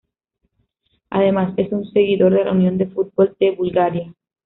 Además es un seguidor de la Unión de Fútbol de Bulgaria.